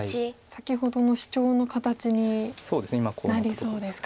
先ほどのシチョウの形になりそうですか。